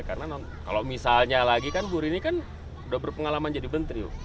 karena kalau misalnya lagi kan bu rini kan udah berpengalaman jadi menteri